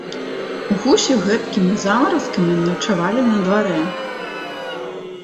Гусі гэткімі замаразкамі начавалі на дварэ.